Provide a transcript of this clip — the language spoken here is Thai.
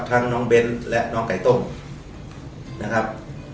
ทั้งน้องเบ้นและน้องไก่ต้มนะครับ